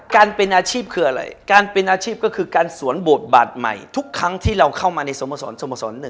การเป็นอาชีพคืออะไรการเป็นอาชีพก็คือการสวนบวชบาทใหม่ทุกครั้งที่เราเข้ามาในสโมสรสโมสร๑